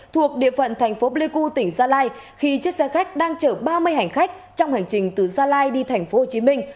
thuộc địa phận thành phố pleiku tỉnh gia lai khi chiếc xe khách đang chở ba mươi hành khách trong hành trình từ gia lai đi thành phố hồ chí minh